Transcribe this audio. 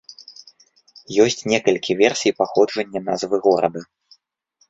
Ёсць некалькі версій паходжання назвы горада.